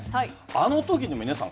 あのときの皆さん